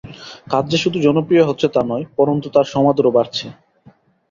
কাজ যে শুধু জনপ্রিয় হচ্ছে তা নয়, পরন্তু তার সমাদরও বাড়ছে।